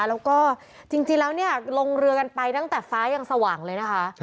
แล้วก็จริงแล้วเนี่ยลงเรือกันไปตั้งแต่ฟ้ายังสว่างเลยนะคะ